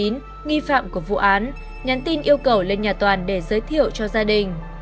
nghi phạm của vụ án nhắn tin yêu cầu lên nhà toàn để giới thiệu cho gia đình